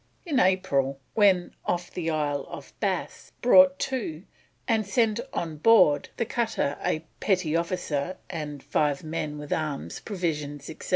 In April, when "off the Isle of Bass, brought to and sent on board the cutter a petty officer and five men with arms, provisions, etc."